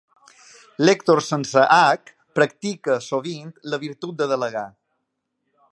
L'Èctor sense hac practica sovint la virtut de delegar.